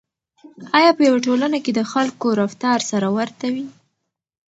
آیا په یوه ټولنه کې د خلکو رفتار سره ورته وي؟